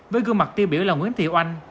với gương mặt tiêu biểu là nguyễn thị oanh